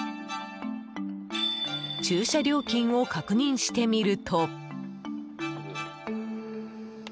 駐車料金を確認してみると。